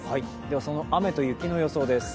その雨と雪の予想です。